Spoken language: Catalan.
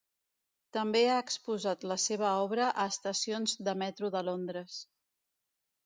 També ha exposat la seva obra a estacions de metro de Londres.